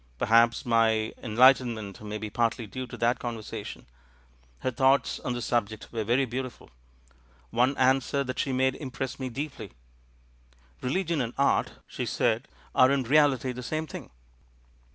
Perhaps my enlightemnent may be partly due to that con versation; her thoughts on the subject were very beautiful. One answer that she made impressed me deeply: 'Religion and Art,' she said, 'are in reality the same thing.'